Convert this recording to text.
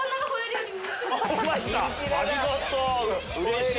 マジかありがとううれしい。